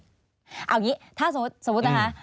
เอาอย่างนี้ถ้าสมมุตินะคะ